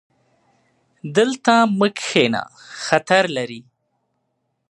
دلته مه کښېنه، خطر لري